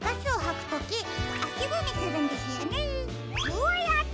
こうやって。